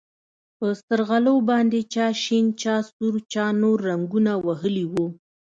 په سترغلو باندې چا شين چا سور چا نور رنګونه وهلي وو.